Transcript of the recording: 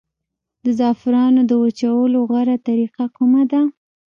د زعفرانو د وچولو غوره طریقه کومه ده؟